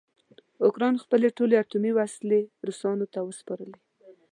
اوکراین خپلې ټولې اټومي وسلې روسانو ته وسپارلې.